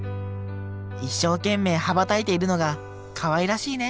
一生懸命羽ばたいているのがかわいらしいね